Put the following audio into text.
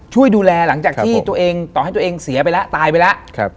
ช่วยดูแลหลังจากที่ตัวเองต่อให้ตัวเองเสียไปแล้วตายไปแล้ว